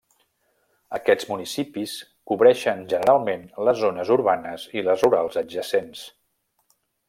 Aquests municipis cobreixen, generalment, les zones urbanes i les rurals adjacents.